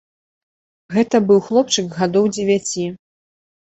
Гэта быў хлопчык гадоў дзевяці.